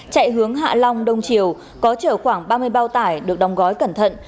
chạy hướng hạ long đông triều có chở khoảng ba mươi bao tải được đóng gói cẩn thận